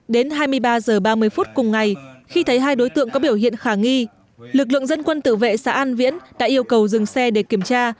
đến hai mươi ba h ba mươi phút cùng ngày khi thấy hai đối tượng có biểu hiện khả nghi lực lượng dân quân tự vệ xã an viễn đã yêu cầu dừng xe để kiểm tra